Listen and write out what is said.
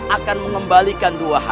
akan mengembalikan dua hal